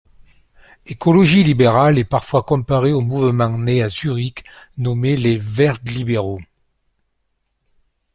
Écologie libérale est parfois comparé au mouvement né à Zurich nommé les Vert'libéraux.